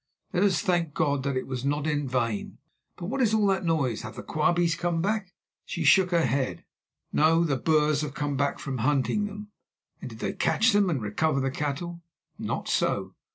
Let us thank God that it was not in vain. But what is all that noise? Have the Quabies come back?" She shook her head. "No; the Boers have come back from hunting them." "And did they catch them and recover the cattle?" "Not so.